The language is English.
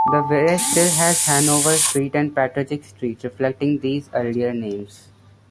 The village still has a Hanover Street and Partridge Street, reflecting these earlier names.